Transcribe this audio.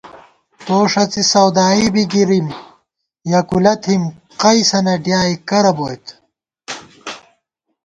تو ݭڅی سودارئی بی گِرِم یېکُولہ تھِم قَیسَنہ ڈیائےکرہ بوئیت